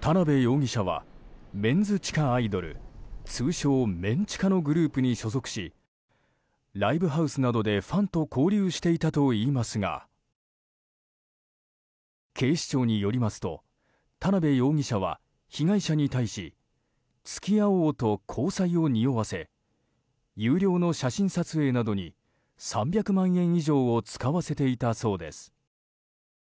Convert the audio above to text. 田辺容疑者はメンズ地下アイドル通称メン地下のグループに所属しライブハウスなどでファンと交流していたといいますが警視庁によりますと田辺容疑者は被害者に対し付き合おうと交際をにおわせ有料の写真撮影などに３００万円以上を使わせていたそうです。